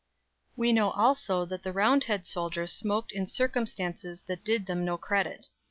We know also that the Roundhead soldiers smoked in circumstances that did them no credit.